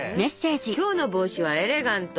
「今日の帽子はエレガント」。